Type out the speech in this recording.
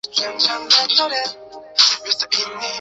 极光是地球周围的一种大规模放电的过程。